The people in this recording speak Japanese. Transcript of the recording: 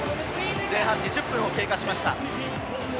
前半２０分を経過しました。